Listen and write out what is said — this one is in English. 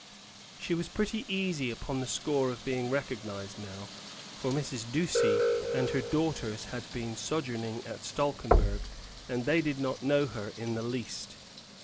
She was pretty easy upon the score of being recognized now; for Mrs. Ducie and her daughters had been sojourning at Stalkenberg, and they did not know her in the least.